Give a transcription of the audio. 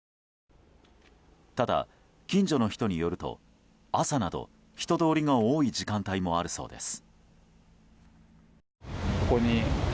ただ、近所の人によると朝など、人通りが多い時間帯もあるそうです。